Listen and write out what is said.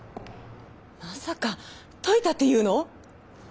まさかといたって言うの？